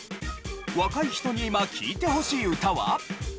若い人に今聴いてほしい歌は？